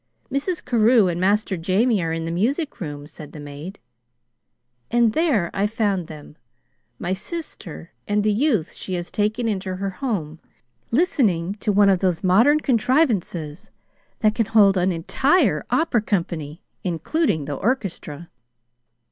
"'Mrs. Carew and Master Jamie are in the music room,' said the maid. And there I found them my sister, and the youth she has taken into her home, listening to one of those modern contrivances that can hold an entire opera company, including the orchestra.